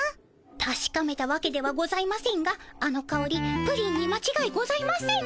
たしかめたわけではございませんがあのかおりプリンにまちがいございません。